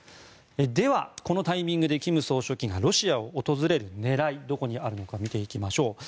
では、このタイミングで金総書記がロシアを訪れる狙いがどこにあるのか見ていきましょう。